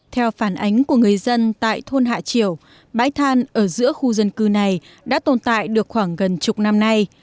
theo phản ánh của người dân tại thôn hạ chiều bãi than ở giữa khu dân cư này đã tồn tại được khoảng gần chục năm nay